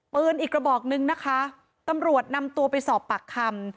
ปืนอีกกระบอกนึงนะคะตำรวจนำตัวไปสอบปากคำ